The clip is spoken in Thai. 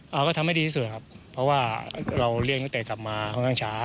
เราก็ทำให้ดีที่สุดครับเพราะว่าเราเรียนตั้งแต่กลับมาค่อนข้างช้า